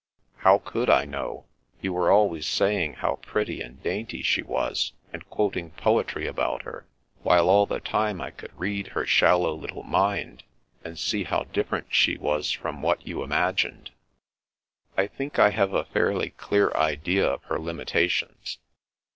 " How could I know ? You were always sajdng how pretty and dainty she was, and quoting poetry about her, while all the time I could read her shal low little mind, and see how different she was from what you imagined." " I think I have a fairly clear idea of her limita tions."